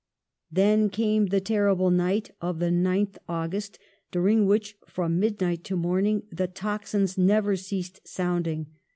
Then came the terrible night of the 9th Au gust, during which, from midnight to morning, the tocsins never ceased sounding.